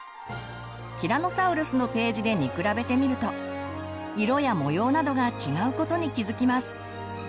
ティラノサウルのページで見比べてみると色や模様などが違うことに気付きます。